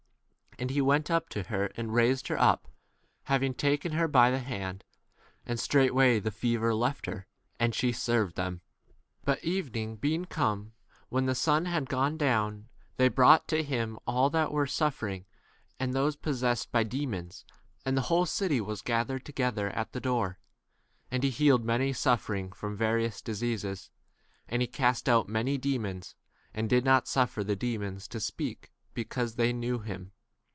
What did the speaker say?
And he went up to [her] and raised her up, hav ing taken her by the hand, and straightway the fever left her, 32 and she served them. But even ing being come, when the sun had gone down, they brought to him all that were suffering, and 33 those possessed by k demons, and the whole city was gathered to 34 gether at the door. And he healed many suffering from various dis eases ; and he cast out many demons, and did not suffer the demons to speak because they 35 knew l him.